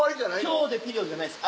今日でピリオドじゃないです。